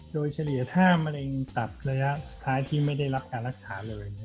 โดยเฉลี่ยถ้ามะเร็งตับระยะท้ายที่ไม่ได้รับการรักษาเลย